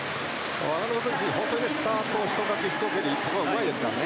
渡辺選手は本当にスタートひとかき、ひと蹴りがうまいですからね。